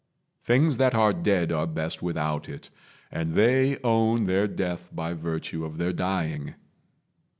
Things that are dead Are best without it, and they own their death By virtue of their dying.